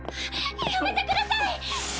やめてください！